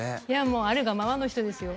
もうあるがままの人ですよ